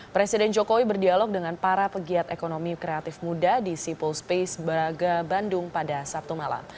presiden jokowi berdialog dengan para pegiat ekonomi kreatif muda di sipol space baraga bandung pada sabtu malam